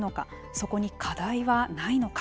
そこに課題はないのか。